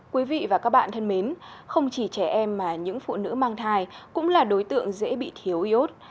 quý vị và các bạn thân mến không chỉ trẻ em mà những phụ nữ mang thai cũng là đối tượng dễ bị thiếu iốt